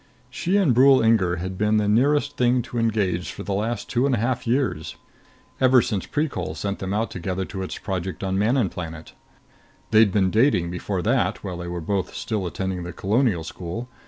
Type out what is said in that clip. She and Brule Inger had been the nearest thing to engaged for the last two and a half years, ever since Precol sent them out together to its project on Manon Planet. They'd been dating before that, while they were both still attending the Colonial School.